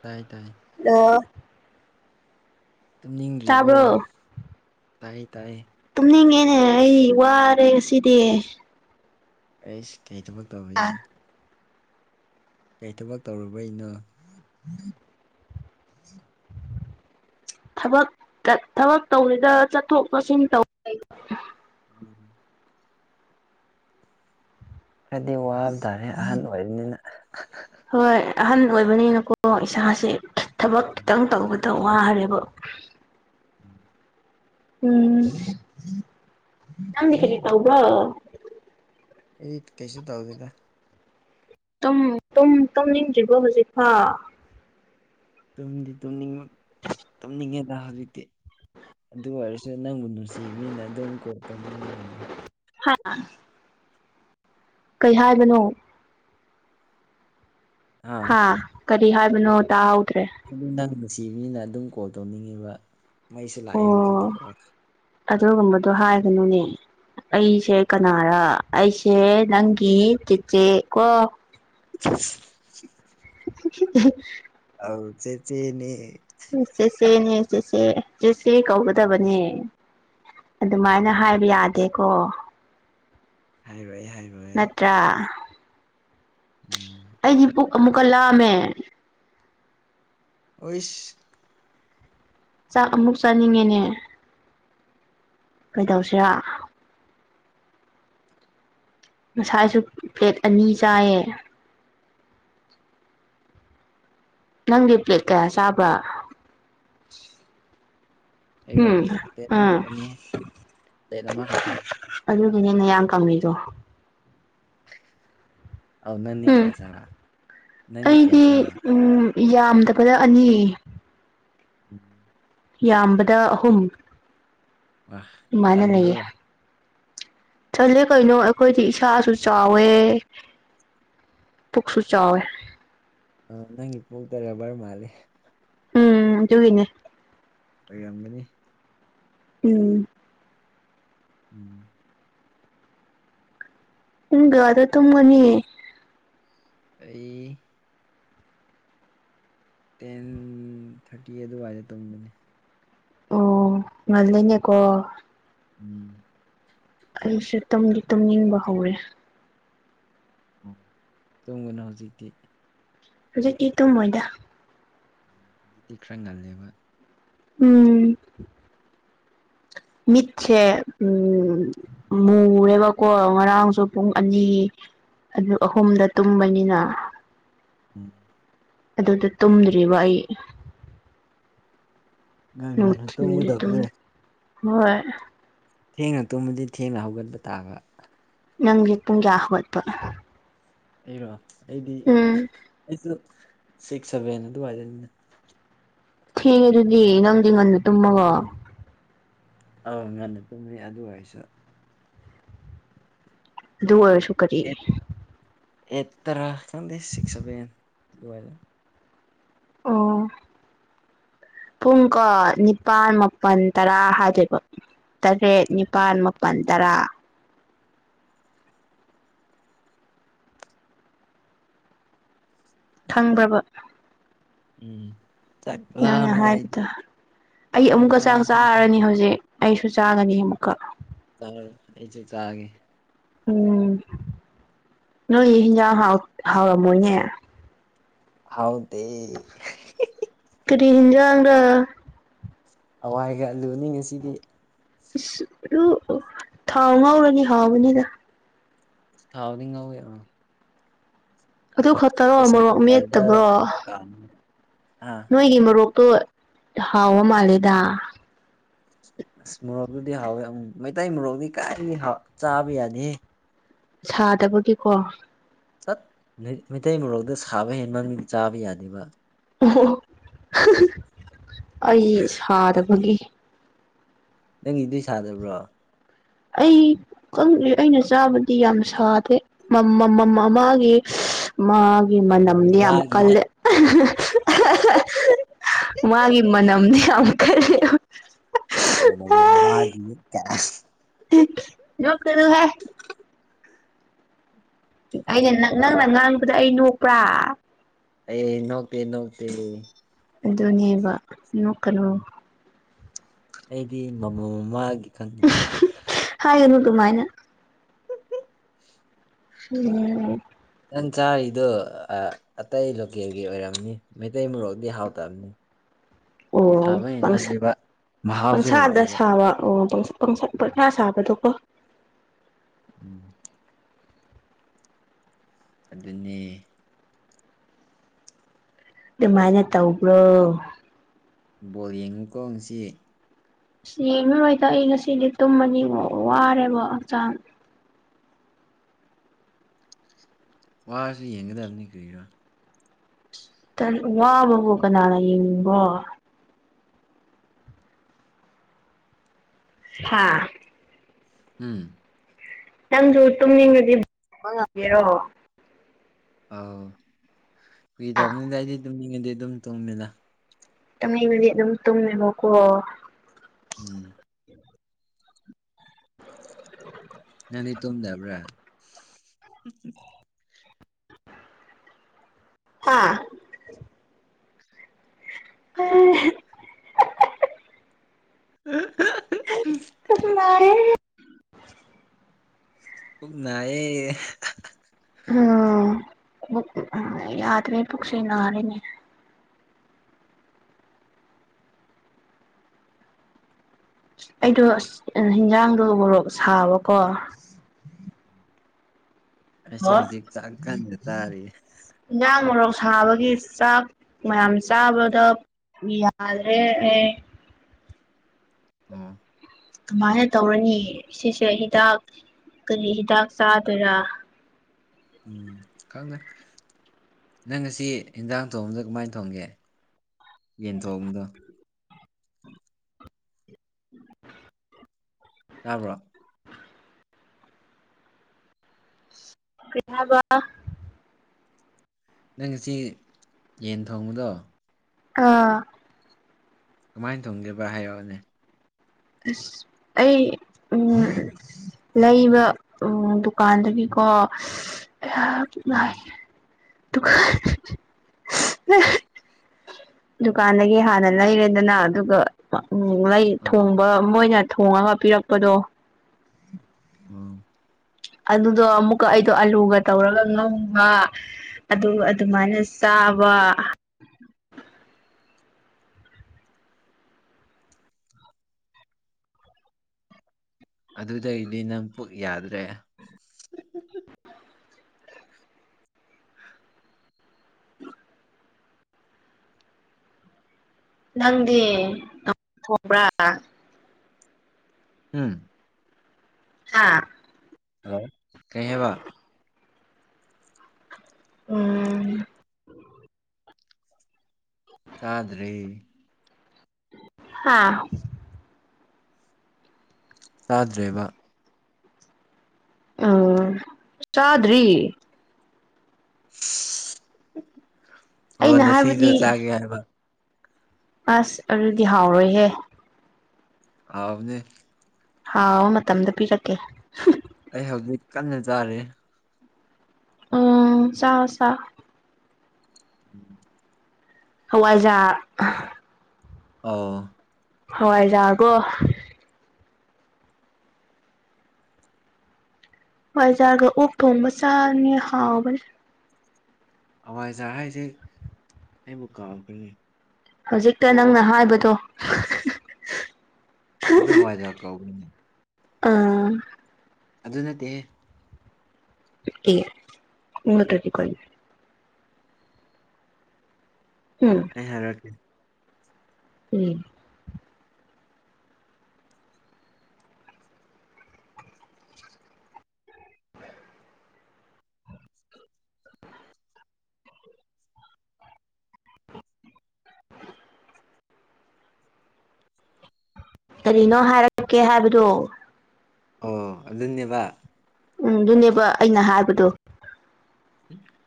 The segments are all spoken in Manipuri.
ꯇꯥꯏ ꯇꯥꯏ [unintelligible] ꯇꯨꯝꯅꯤꯡꯗ꯭ꯔꯤꯕꯣ ꯇꯥꯕ꯭ꯔꯣ ꯇꯥꯏ ꯇꯥꯏ ꯇꯨꯝꯅꯤꯡꯉꯦꯅꯦ ꯑꯩ ꯋꯥꯔꯦ ꯉꯁꯤꯗꯤ ꯑꯩꯁ ꯀꯩ ꯊꯕꯛ ꯇꯧꯕꯒꯤ ꯀꯩ ꯊꯕꯛ ꯇꯧꯔꯨꯕꯩꯅꯣ [inaudible] ꯊꯕꯛ ꯊꯕꯛ ꯇꯧꯔꯤꯗ ꯆꯠꯊꯣꯛ ꯆꯠꯁꯤꯟ ꯇꯧ [unintelligible] ꯎꯝ ꯈꯔꯗꯤ ꯋꯥꯕ ꯇꯥꯔꯦ ꯑꯍꯟ ꯑꯣꯏꯕꯅꯤꯅ ꯍꯣꯏ ꯑꯍꯟ ꯑꯣꯏꯕꯅꯤꯅꯀꯣ ꯏꯁꯥꯁꯦ ꯊꯕꯛ ꯈꯤꯇꯪ ꯇꯧꯕꯗ ꯇ ꯋꯥꯔꯦꯕ ꯎꯝ ꯎꯝ ꯅꯪꯗꯤ ꯀꯔꯤ ꯇꯧꯕ꯭ꯔꯣ ꯑꯩꯗꯤ ꯀꯩꯁꯨ ꯇꯧꯗꯦꯗ ꯇꯨꯝ ꯇꯨꯝ ꯇꯨꯝꯅꯤꯡꯗ꯭ꯔꯤꯕꯣ ꯍꯧꯖꯤꯛꯐꯥꯎ ꯇꯨꯝꯗꯤ ꯇꯨꯝꯅꯤꯡꯕ ꯇꯨꯝꯅꯤꯡꯉꯦꯗ ꯍꯧꯖꯤꯛꯇꯤ ꯑꯗꯨ ꯑꯣꯏꯔꯁꯨ ꯅꯪꯕꯨ ꯅꯨꯡꯁꯤꯕꯅꯤꯅ ꯑꯗꯨꯝ ꯀꯣꯜ ꯇꯧꯅꯤꯡꯉꯤ ꯍꯥ ꯀꯩ ꯍꯥꯏꯕꯅꯣ ꯍꯥ ꯀꯔꯤ ꯍꯥꯏꯕꯅꯣ ꯇꯥꯍꯧꯗ꯭ꯔꯦ [unintelligible] ꯅꯪ ꯅꯨꯡꯁꯤꯕꯅꯤꯅ ꯑꯗꯨꯝ ꯀꯣꯜ ꯇꯧꯅꯤꯡꯉꯦꯕ ꯃꯩꯁꯨ ꯂꯥꯛꯑꯦ ꯍꯧꯖꯤꯛꯇꯤ ꯑꯣ ꯋꯥ ꯑꯗꯨꯒꯨꯝꯕꯗꯣ ꯍꯥꯏꯒꯅꯨꯅꯦ ꯑꯩꯁꯦ ꯀꯅꯥꯔ ꯑꯩꯁꯦ ꯅꯪꯒꯤ ꯆꯤꯆꯦ ꯀꯣ [unintelligible] [unintelligible] ꯑꯥꯎ ꯆꯦꯆꯦꯅꯦ ꯎꯝ ꯆꯦꯆꯦꯅꯦ ꯆꯦꯆꯦ ꯆꯦꯆꯦ ꯎꯝ ꯀꯧꯒꯗꯕꯅꯦ ꯑꯗꯨꯃꯥꯏꯅ ꯎꯝ ꯍꯥꯏꯕ ꯌꯥꯗꯦꯀꯣ ꯍꯥꯏꯔꯣꯏ ꯍꯥꯏꯔꯣꯏ [unintelligible] ꯎꯝ ꯑꯩꯒꯤ ꯄꯨꯛ ꯑꯃꯨꯛꯀ ꯂꯥꯝꯃꯦ ꯑꯩꯁ ꯆꯥꯛ ꯑꯃꯨꯛ ꯆꯥꯅꯤꯡꯉꯦꯅꯦ ꯀꯩꯗꯧꯁꯤꯔ ꯉꯁꯥꯏꯁꯨ ꯄ꯭ꯂꯦꯠ ꯑꯅꯤ ꯆꯥꯏꯌꯦ ꯅꯪꯗꯤ ꯄ꯭ꯂꯦꯠ ꯀꯌꯥ ꯆꯥꯕ꯭ꯔꯥ ꯑꯩꯔꯣ ꯎꯝ ꯄ꯭ꯂꯦꯠ ꯑ ꯑꯃꯈꯛꯇꯅꯤ ꯄ꯭ꯂꯦꯠ ꯑꯃꯈꯛꯇ [unintelligible] ꯑꯗꯨꯒꯤꯅꯦ ꯅꯌꯥꯡ ꯀꯪꯉꯤꯗꯣ ꯑꯧ ꯅꯪꯗꯤ ꯎꯝ ꯀꯌꯥ ꯆꯥꯕ ꯅꯪꯗꯤ ꯀꯌꯥ ꯑꯩꯗꯤ ꯆꯥꯕ ꯎꯝ ꯌꯥꯝꯗꯕꯗ ꯑꯅꯤ ꯎꯝ ꯌꯥꯝꯕꯗ ꯑꯍꯨꯝ ꯋꯥ ꯑꯗꯨꯃꯥꯏꯅ ꯂꯩꯌꯦ ꯆꯟꯕ꯭ꯔꯣ ꯆꯟꯂꯦ ꯀꯩꯅꯣ ꯑꯩꯈꯣꯏꯗꯤ ꯏꯁꯥꯁꯨ ꯆꯥꯎꯋꯦ ꯄꯨꯛꯁꯨ ꯆꯥꯎꯋꯦ ꯑ ꯅꯪꯒꯤ ꯄꯨꯛꯇꯣ ꯔꯕꯔ ꯃꯥꯜꯂꯦ ꯎꯝ ꯑꯗꯨꯒꯤꯅꯦ ꯑꯣꯏꯔꯝꯒꯅꯤ ꯎꯝ ꯎꯝ ꯄꯨꯡ ꯀꯌꯥꯗ ꯇꯨꯝꯃꯅꯤ ꯑꯩ ꯇꯦꯟ ꯊꯥꯔꯇꯤ ꯑꯗꯨꯋꯥꯏꯗ ꯇꯨꯝꯕꯅꯦ ꯑꯣ ꯉꯟꯂꯦꯅꯦꯀꯣ ꯎꯝ ꯑꯩꯁꯨ ꯇꯨꯝꯗꯤ ꯇꯨꯝꯅꯤꯡꯕ ꯍꯧꯔꯦ ꯎ ꯇꯨꯝꯒꯅꯣ ꯍꯧꯖꯤꯛꯇꯤ ꯍꯧꯖꯤꯛꯇꯤ ꯇꯨꯝꯃꯣꯏꯗ ꯑꯗꯨꯗꯤ ꯈꯔ ꯉꯜꯂꯦꯕ ꯎꯝ ꯃꯤꯠꯁꯦ ꯎꯝ [inaudible] ꯃꯨꯔꯦꯕꯀꯣ ꯉꯔꯥꯡꯁꯨ ꯄꯨꯡ ꯑꯅꯤ ꯑꯅꯤ ꯑꯍꯨꯝꯗ ꯇꯨꯝꯕꯅꯤꯅ ꯎꯝ ꯑꯗꯨꯗ ꯇꯨꯝꯗ꯭ꯔꯤꯕ ꯑꯩ ꯉꯟ ꯉꯟꯅ ꯅꯨꯡꯊꯤꯜꯗꯤ ꯇꯨꯝꯒꯗꯕꯅꯦ ꯇꯨꯝꯗꯦ ꯍꯣꯏ ꯊꯦꯡꯅ ꯇꯨꯝꯕꯗꯤ ꯊꯦꯡꯅ ꯍꯧꯒꯠꯄ ꯇꯥꯕ ꯅꯪꯗꯤ ꯄꯨꯡ ꯀꯌꯥ ꯍꯧꯒꯠꯄ ꯑꯩꯔꯣ ꯑꯩꯗꯤ ꯎꯝ ꯑꯩꯁꯨ ꯁꯤꯛꯁ ꯁꯦꯚꯦꯟ ꯑꯗꯨꯋꯥꯏꯗꯅꯤꯗ ꯊꯦꯡꯉꯦ ꯑꯗꯨꯗꯤ ꯅꯪꯗꯤ ꯉꯟ ꯎꯝ ꯑꯧ ꯉꯟꯅ ꯇꯨꯝꯃꯤ ꯑꯗꯨ ꯑꯣꯏꯔꯁꯨ ꯑꯗꯨ ꯑꯣꯏꯔꯁꯨ ꯀꯔꯤ ꯑꯦꯠ ꯑꯦꯠꯇꯔ ꯈꯪꯗꯦ ꯁꯤꯛꯁ ꯁꯦꯚꯦꯟ ꯗꯨꯋꯥꯏꯗ ꯑꯣ ꯄꯨꯡ ꯀꯣ ꯅꯤꯄꯥꯟ ꯃꯥꯄꯟ ꯇꯔꯥ ꯍꯥꯏꯗꯣꯏꯕ ꯇꯔꯦꯠ ꯅꯤꯄꯥꯜ ꯃꯥꯄꯜ ꯇꯔꯥ ꯈꯪꯕ꯭ꯔꯕ ꯎꯝ ꯆꯥꯛ ꯅꯪꯅ ꯂꯥꯝꯃꯤꯗ ꯑꯩꯗꯤ ꯍꯥꯏꯕꯗꯨ ꯑꯩ ꯑꯃꯨꯛꯀ ꯆꯥꯛ ꯆꯥꯔꯁꯤꯅ ꯆꯥꯔꯅꯤ ꯈꯪꯗꯦ ꯍꯧꯖꯤꯛ ꯑꯩꯁꯨ ꯆꯥꯒꯅꯤ ꯑꯃꯨꯛꯀ ꯆꯥꯔꯣ ꯑꯩꯁꯨ ꯆꯥꯒꯦ ꯎꯝ ꯅꯣꯏ ꯍꯤꯟꯖꯥꯡ ꯍꯥꯎ ꯍꯥꯎꯔꯝꯃꯣꯏꯅꯦ ꯍꯥꯎꯗꯦ ꯀꯔꯤ ꯍꯤꯅꯖꯥꯡꯔꯥ ꯍꯋꯥꯏꯒ ꯑꯂꯨꯅꯤ ꯉꯁꯤꯗꯤ ꯑ ꯊꯥꯎ ꯉꯥꯎꯔꯅꯤ ꯍꯥꯎꯕꯅꯤꯗ ꯊꯥꯎꯗꯤ ꯉꯧꯋꯦ ꯑꯗꯨ ꯈꯛꯇꯔꯣ ꯄ꯭ꯔꯦꯁꯔ ꯃꯣꯔꯣꯛ ꯀꯨꯀꯔꯗ ꯃꯦꯠꯇꯕ꯭ꯔꯣ ꯀꯥꯝꯃꯦ ꯑꯥ ꯅꯣꯏꯒꯤ ꯃꯣꯔꯣꯛꯇꯣ ꯍꯥꯎꯕ ꯃꯥꯂꯦꯗ ꯑꯁ ꯃꯣꯔꯣꯛꯇꯨꯗꯤ ꯍꯥꯎꯋꯦ ꯃꯩꯇꯩ ꯃꯣꯔꯣꯛꯗꯤ ꯀꯥꯏꯗꯤ ꯆꯥꯕ ꯌꯥꯗꯦ ꯁꯥꯗꯕꯒꯤꯀꯣ ꯇꯠ ꯃꯩ ꯃꯩꯇꯩ ꯃꯔꯣꯜꯗ ꯁꯥꯕ ꯍꯦꯟ ꯃꯃꯤꯡ ꯆꯥꯕ ꯌꯥꯗꯦꯕ ꯑꯣ ꯑꯩ ꯁꯥꯗꯕꯒꯤ ꯅꯪꯒꯤꯗꯤ ꯁꯥꯗꯕ꯭ꯔꯣ ꯑꯩꯪ ꯈꯪꯗꯦ ꯑꯩꯅ ꯆꯥꯕꯗꯤ ꯌꯥꯝ ꯁꯥꯗꯦ ꯃꯃꯝꯃꯝ ꯃꯃꯥꯡꯒꯤ ꯃꯥꯒꯤ ꯃꯃꯥ ꯃꯅꯝꯗꯤ ꯌꯥꯝ ꯃꯃꯥꯒꯤ ꯀꯜꯂꯦ ꯃꯥꯒꯤ ꯃꯅꯝꯗꯤ ꯌꯥꯝ ꯀꯜ [unintelligible] ꯃꯥꯒꯤ ꯀꯥꯏ ꯑꯁ ꯅꯣꯛꯀꯅꯨꯍꯦ ꯑꯩꯒ ꯅꯛꯅꯥꯅ ꯉꯥꯡꯕꯗ ꯑꯩ ꯅꯣꯛꯄ꯭ꯔꯥ ꯑꯩ ꯅꯣꯛꯇꯦ ꯅꯣꯛꯇꯦ ꯑꯗꯨꯅꯦꯕ ꯅꯣꯛꯀꯅꯣ ꯑꯩꯗꯤ ꯃꯃꯣꯝ ꯃꯥꯒꯤ ꯈꯪꯗꯕ ꯍꯥꯏꯒꯅꯨ ꯑꯗꯨꯃꯥꯏꯅ ꯎꯝ ꯅꯪ ꯆꯥꯔꯤꯗꯣ ꯑ ꯑꯇꯩ ꯂꯣꯀꯦꯜꯒꯤ ꯑꯣꯏꯔꯝꯅꯤ ꯃꯩꯇꯩ ꯃꯣꯔꯣꯛꯗꯤ ꯍꯥꯎꯇꯝꯅꯦ ꯑꯣ ꯄꯩꯁꯥ ꯃꯍꯥꯎꯁꯨ ꯄꯪꯁꯥꯗ ꯂꯩꯇꯦꯕ ꯁꯥꯕ ꯑꯣ ꯄꯪꯁꯥ ꯄꯪꯁꯥ ꯄꯪꯁꯥꯁꯥꯕꯗꯣꯀꯣ ꯎꯝ ꯑꯗꯨꯅꯦ ꯑꯗꯨꯃꯥꯏꯅ ꯇꯧꯕ꯭ꯔꯣ ꯕꯣꯜ ꯌꯦꯡꯉꯨꯀꯣ ꯉꯁꯤ ꯏꯁ ꯌꯦꯡꯉꯔꯣꯏꯗ ꯑꯩ ꯉꯁꯤꯗꯤ ꯇꯨꯝꯃꯅꯤ ꯋꯥ ꯋꯥꯔꯦꯕ ꯍꯛꯆꯥꯡ ꯋꯥꯔꯁꯨ ꯌꯦꯡꯒꯗꯝꯅꯤ ꯀꯔꯤꯔꯣ ꯇꯜ ꯋꯥꯕꯕꯨ ꯀꯅꯥꯅ ꯌꯦꯡꯅꯤꯡꯕ꯭ꯔꯣ ꯍꯥꯥ ꯎꯝ ꯅꯪꯁꯨ ꯇꯨꯝꯅꯤꯡꯉꯗꯤ [unintelligible] ꯉꯝꯒꯦꯔꯣ ꯑꯥꯎ ꯐꯥꯒꯤ ꯇꯧꯕꯅꯤꯗ ꯑꯩꯗꯤ ꯇꯝꯅꯤꯡꯉꯗꯤ ꯑꯗꯨꯝ ꯇꯨꯝꯃꯦꯗ ꯇꯨꯝꯅꯤꯡꯔꯗꯤ ꯑꯗꯨꯝ ꯇꯨꯝꯃꯦꯕꯀꯣ ꯎꯝ ꯅꯪꯗꯤ ꯇꯨꯝꯗꯕ꯭ꯔꯥ ꯍꯥꯥ [unintelligible] [unintelligible] [unintelligible] ꯄꯨꯛ ꯅꯥꯏꯌꯦ [unintelligible] ꯄꯨꯛ ꯅꯥꯔꯦ ꯌꯥꯗ꯭ꯔꯦ ꯄꯨꯛꯁꯦ ꯅꯥꯔꯦꯅꯦ ꯑꯩꯗꯣ ꯑꯁ ꯑꯟ ꯍꯤꯟꯖꯥꯡꯗꯣ ꯃꯣꯔꯣꯛ ꯁꯥꯕꯀꯣ ꯑꯩꯁꯨ ꯑꯣ ꯍꯧꯖꯤꯛ ꯆꯥꯛ ꯀꯥꯟꯅ ꯆꯔꯤꯌꯦ ꯏꯟꯖꯥꯡ ꯃꯣꯔꯣꯛ ꯁꯥꯕꯒꯤ ꯆꯥꯛ ꯃꯌꯥꯝ ꯆꯥꯕꯗ ꯌꯥꯗ꯭ꯔꯦꯅꯦꯍꯦ ꯑꯣ ꯀꯃꯥꯏꯅ ꯇꯧꯔꯅꯤ ꯁꯤꯁꯦ ꯍꯤꯗꯥꯛ ꯀꯔꯤ ꯍꯤꯗꯥꯛ ꯆꯥꯗꯣꯏꯔꯥ ꯎꯝ ꯈꯪꯗꯦ ꯅꯪ ꯉꯁꯤ ꯏꯟꯖꯥꯡ ꯊꯣꯡꯕꯗ ꯀꯃꯥꯏꯟ ꯊꯣꯡꯒꯦ ꯌꯦꯟ ꯊꯣꯡꯕꯗꯣ ꯇꯥꯕ꯭ꯔꯣ ꯀꯔꯤ ꯍꯥꯏꯕ ꯅꯪ ꯉꯁꯤ ꯌꯦꯟ ꯊꯣꯡꯕꯗꯣ ꯑꯥ ꯀꯃꯥꯏ ꯊꯣꯡꯒꯦꯕ ꯍꯥꯏꯔꯛꯑꯣꯅꯦ ꯑꯁ ꯑꯩ ꯎꯝ ꯂꯩꯕ ꯎꯝ ꯗꯨꯀꯥꯟꯗꯒꯤꯀꯣ [unintelligible] ꯎꯝ [unintelligible] ꯗꯨꯀꯥꯟꯗꯒꯤ ꯍꯥꯟꯅ ꯂꯩꯔꯦꯗꯅ ꯑꯗꯨꯒ ꯎ ꯂꯩ ꯎꯝ ꯊꯣꯡꯕ ꯃꯣꯏꯅ ꯊꯣꯡꯉꯒ ꯄꯤꯔꯛꯄꯗꯣ ꯎꯝ ꯑꯗꯨꯗꯣ ꯑꯃꯨꯛꯀ ꯑꯩꯗꯣ ꯑꯂꯨꯒ ꯇꯧꯔꯒ ꯉꯧꯕ ꯑꯗꯨꯒ ꯑꯗꯨꯃꯥꯏꯅ ꯆꯥꯕ ꯑꯗꯨꯗꯒꯤꯗꯤ ꯅꯪ ꯄꯨꯛ ꯌꯥꯗ꯭ꯔꯦ [inaudible] ꯅꯪꯗꯤ [unintelligible] ꯊꯣꯡꯕ꯭ꯔꯥ ꯎꯝ ꯍꯥꯥ ꯍꯜꯂꯣ ꯀꯩ ꯍꯥꯏꯕ ꯎꯝ ꯆꯥꯗ꯭ꯔꯤ ꯍꯥꯥ ꯇꯥꯗ꯭ꯔꯦꯕ ꯎꯝ ꯆꯥꯗ꯭ꯔꯤ ꯑꯣ ꯑꯩꯅ ꯅꯁꯤꯒ ꯍꯥꯏꯕꯗꯤ ꯆꯥꯒꯦ ꯍꯥꯏꯕ ꯑꯁ ꯑꯗꯨꯗꯤ ꯍꯥꯎꯔꯣꯏꯍꯦ ꯍꯥꯎꯕꯅꯦ ꯍꯥꯎꯕ ꯃꯇꯝꯗ ꯄꯤꯔꯛꯀꯦ ꯑꯩ ꯍꯧꯖꯤꯛ ꯀꯟꯅ ꯆꯥꯔꯤ ꯎꯝ ꯆꯥꯔꯣ ꯆꯥꯔꯣ ꯎꯝ ꯍꯋꯥꯏꯖꯥꯔ ꯑꯣ ꯍꯋꯥꯏꯖꯥꯔꯀꯣ ꯍꯋꯥꯏꯖꯥꯔꯒ ꯑꯣꯛ ꯊꯣꯡꯕ ꯆꯥꯅꯤꯡꯉꯦ ꯍꯥꯎꯕꯅꯤ ꯍꯋꯥꯏꯖꯥꯔ ꯍꯥꯏꯁꯦ ꯑꯩꯕꯨ ꯀꯥꯎꯈꯔꯦꯅꯦ ꯍꯧꯖꯤꯛꯇ ꯅꯪꯅ ꯍꯥꯏꯕꯗꯣ ꯑꯗꯨ ꯍꯋꯥꯏꯖꯥꯔ ꯀꯧꯕꯅꯦ ꯑ ꯑꯗꯨ ꯅꯠꯇꯦ ꯍꯦ ꯑꯦ ꯑꯗꯨ ꯅꯠꯇ꯭ꯔꯗꯤ ꯀꯔꯤ ꯍꯝ ꯑꯩ ꯍꯥꯏꯔꯛꯀꯦ ꯎꯝ [inaudible] ꯀꯔꯤꯅꯣ ꯍꯥꯏꯔꯛꯀꯦ ꯍꯥꯏꯕꯗꯨ ꯑꯣ ꯑꯗꯨꯅꯦꯕꯥ ꯎꯝ ꯗꯨꯅꯦꯕꯥ ꯑꯩꯅ ꯍꯥꯏꯕꯗꯣ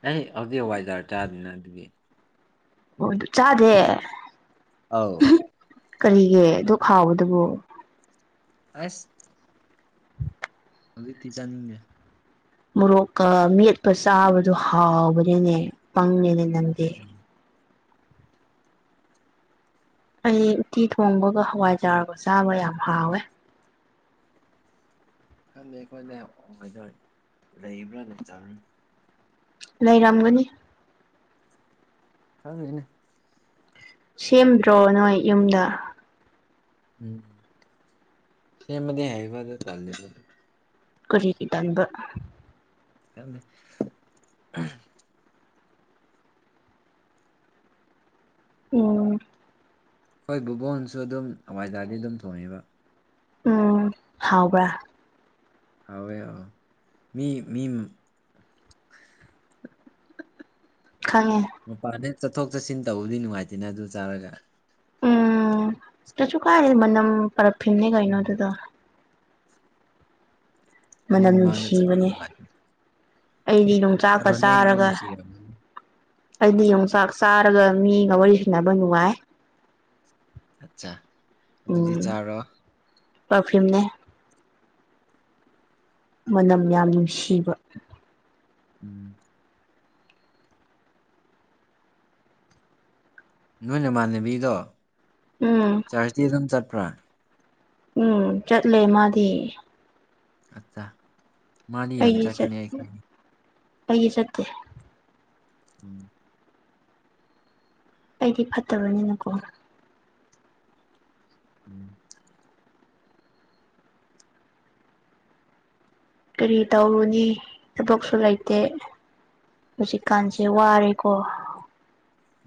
ꯑꯩ ꯍꯧꯖꯤꯛ ꯍꯋꯥꯏꯖꯔ ꯆꯥꯗꯨꯅ ꯑꯗꯨꯒꯤ ꯑꯣ ꯗꯨ ꯆꯥꯗꯦ ꯑꯧ ꯀꯔꯤꯒꯤ ꯑꯗꯨꯛ ꯍꯥꯎꯕꯗꯨꯕꯨ ꯑꯁ ꯍꯧꯖꯤꯛꯇꯤ ꯆꯥꯅꯤꯡ [unintelligible] ꯃꯣꯔꯣꯛꯀ ꯃꯦꯠꯄ ꯆꯥꯕꯗꯨ ꯍꯥꯎꯕꯅꯤꯅꯦ ꯄꯪꯉꯦꯅꯦ ꯅꯪꯗꯤ ꯎꯝ ꯑꯩ ꯎꯠꯇꯤ ꯊꯣꯡꯕꯒ ꯍꯋꯥꯏꯖꯥꯔꯒ ꯆꯥꯕ ꯌꯥꯝ ꯍꯥꯎꯋꯦ ꯈꯪꯗꯦ ꯑꯩꯈꯣꯏꯗ ꯍꯋꯥꯏꯖꯥꯔ ꯂꯩꯕ꯭ꯔꯥꯅ ꯆꯥꯕꯟ ꯂꯩꯔꯝꯒꯅꯤ [unintelligible] ꯁꯦꯝꯗ꯭ꯔꯣ ꯅꯣꯏ ꯌꯨꯝꯗꯥ ꯎꯝ ꯁ‌ꯦꯝꯕꯗꯤ ꯍꯩꯕꯥ ꯑꯗ‌ꯣ ꯇꯜꯂ‌ꯦ [unintelligible] ꯀꯔꯤꯒꯤ ꯇꯟꯕ [unintelligible] [unintelligible] ꯍꯣꯏ ꯕꯨꯕꯣꯛ ꯍ‌ꯣꯏꯅꯁꯨ ꯑꯗꯨꯝ ꯍꯋꯥꯏꯖꯥꯔꯗꯤ ꯑꯗꯨꯝ ꯊꯣꯡꯉꯦꯕ ꯍꯨꯝ ꯍꯥꯎꯕ꯭ꯔꯥ ꯍꯥꯎꯋ‌ꯦ ꯍꯥꯎ ꯃꯤ ꯃꯤꯎ ꯈꯪꯉꯦ ꯃꯄꯥꯟ ꯍꯦꯛ ꯆꯠꯊꯣꯛ ꯆꯠꯁꯤꯟ ꯇꯧꯕꯗꯤ ꯅꯨꯡꯉꯥꯏꯇꯦꯅ ꯑꯗꯨ ꯆꯥꯔꯒ ꯎꯝ ꯀꯩꯁꯨ ꯀꯥꯏꯗ‌ꯦ ꯃꯅꯝ ꯄꯔꯐ꯭ꯌꯨꯝꯅꯦ ꯀꯩꯅꯣ ꯎꯝ ꯑꯗꯨꯗ‌ꯣ ꯃꯤ ꯃꯅꯝ ꯃꯥꯅ ꯅꯨꯡꯁꯤꯕꯅꯦ ꯆꯠꯄꯅ‌ꯦ ꯃꯥꯗꯤ ꯑꯩꯗꯤ ꯌꯣꯡꯆꯥꯛꯀ ꯆꯥꯔꯒ ꯅꯨꯡꯁꯤꯔꯝꯒꯅꯤ ꯑꯩꯗꯤ ꯌꯣꯡꯆꯥꯛ ꯆꯥꯔꯒ ꯃꯤꯒ ꯋꯥꯔꯤ ꯁꯥꯟꯅꯕ ꯅꯨꯡꯉꯥꯏ ꯑꯠꯆꯥ ꯑꯗꯨꯗꯤ ꯎꯝ ꯆꯥꯔꯣ ꯄꯥꯔꯐ꯭ꯌꯨꯝꯅꯦ ꯃꯅꯝ ꯌꯥꯝ ꯅꯨꯡꯁꯤꯕ ꯎꯝ ꯅꯣꯏ ꯅꯃꯥꯟꯅꯕꯤꯗꯣ ꯍꯨꯝ ꯆꯔꯖꯇꯤ ꯑꯗꯨꯝ ꯆꯠꯄ꯭ꯔꯥ ꯎꯝ ꯆꯠꯂꯦ ꯃꯥꯗꯤ ꯑꯠꯆꯥ ꯃꯥꯗꯤ ꯌꯥꯝ ꯑꯩꯗꯤ ꯆꯠ ꯆꯠꯀꯅꯤ ꯑꯩ ꯈꯪꯉꯦ ꯑꯩꯗꯤ ꯆꯠꯇꯦ ꯎꯝ ꯑꯩꯗꯤ ꯐꯠꯇꯕꯅꯤꯅꯀꯣ ꯎꯝ ꯀꯔꯤ ꯇꯧꯔꯨꯅꯤ ꯊꯕꯛꯁꯨ ꯂꯩꯇꯦ ꯍꯨꯖꯤꯛꯀꯥꯟꯁꯦ ꯋꯥꯔꯦꯀꯣ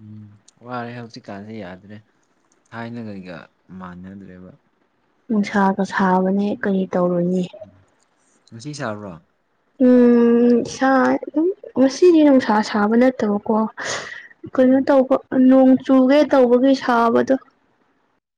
ꯎꯝ ꯋꯥꯔꯦ ꯍꯧꯖꯤꯛꯀꯥꯟꯁꯦ ꯌꯥꯗ꯭ꯔꯦ ꯊꯥꯏꯅ ꯉꯩꯒ ꯃꯥꯟꯅꯗ꯭ꯔꯦꯕ ꯅꯨꯡꯁꯥꯒ ꯁꯥꯕꯅꯦ ꯀꯔꯤ ꯇꯧꯔꯨꯅꯤ ꯎꯝ ꯉꯁꯤ ꯁꯥꯕ꯭ꯔꯣ ꯎꯝ ꯏꯁꯥ ꯑꯗꯨꯝ ꯉꯁꯤꯗꯤ ꯅꯨꯡꯁꯥ ꯁꯥꯕ ꯅꯠꯇꯕꯀꯣ ꯀꯩꯅꯣ ꯎꯝ ꯇꯧꯕ ꯑ ꯅꯣꯡ ꯆꯨꯒꯦ ꯇꯧꯕꯒꯤ ꯁꯥꯕꯗꯣ